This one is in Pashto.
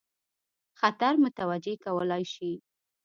خطر متوجه کولای شي.